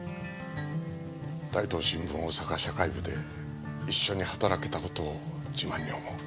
大東新聞大阪社会部で一緒に働けた事を自慢に思う。